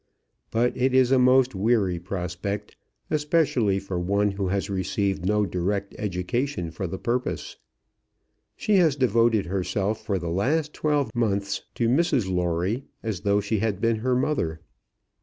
But it is a most weary prospect, especially for one who has received no direct education for the purpose. She has devoted herself for the last twelve months to Mrs Lawrie, as though she had been her mother.